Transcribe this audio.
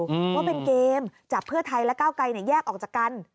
ว่าเป็นเกมจับเพื่อไทยและก้าวไกลเนี่ยแยกออกจากกัน